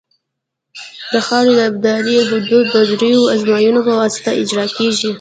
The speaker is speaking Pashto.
د خاورې د ابدارۍ حدود د دریو ازموینو په واسطه اجرا کیږي